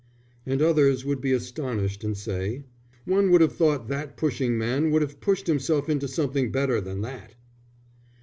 And others would be astonished and say: "One would have thought that pushing man would have pushed himself into something better than that!"